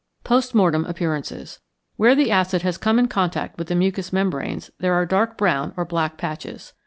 Post Mortem Appearances. Where the acid has come in contact with the mucous membranes there are dark brown or black patches.